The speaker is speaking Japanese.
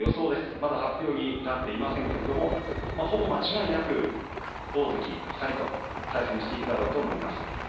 まだ発表になっていませんがほぼ間違いなく大関２人と対戦していくだろうと思います。